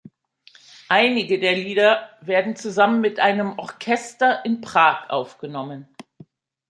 Einige der Lieder werden zusammen mit einem Orchester in Prag aufgenommen.